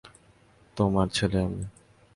তোমার ছেলে আমি।